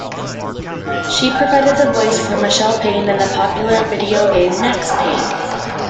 She provided the voice for Michelle Payne in the popular video game "Max Payne".